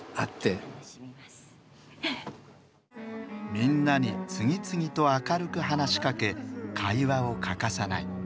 みんなに次々と明るく話しかけ会話を欠かさない。